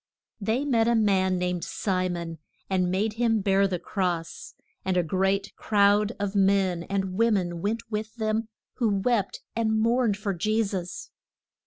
They met a man named Si mon, and made him bear the cross. And a great crowd of men and wo men went with them who wept and mourned for Je sus.